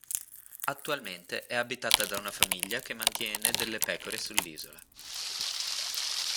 Attualmente è abitata da una famiglia che mantiene delle pecore sull'isola.